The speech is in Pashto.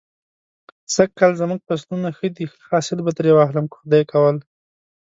سږ کال زما فصلونه ښه دی. ښه حاصل به ترې واخلم که خدای کول.